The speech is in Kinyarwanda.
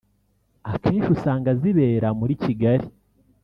akenshi usanga zibera muri Kigali